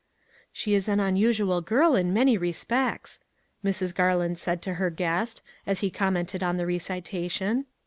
" She is an unusual girl in many respects," Mrs. Garland said to her guest, as he com mented on the recitation.